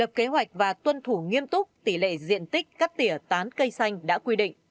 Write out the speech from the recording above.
lập kế hoạch và tuân thủ nghiêm túc tỷ lệ diện tích cắt tỉa tán cây xanh đã quy định